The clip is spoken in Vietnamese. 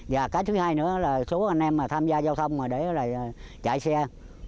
và cái thứ hai nữa là số anh em mà tham gia giao thông mà để chạy xe